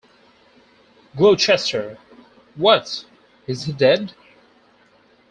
"Gloucester:" What, is he dead?